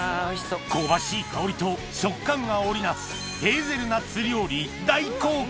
香ばしい香りと食感が織り成すヘーゼルナッツ料理大公開！